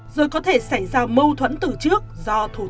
rồi có thể xảy ra mâu thuẫn từ trước do thủ tướng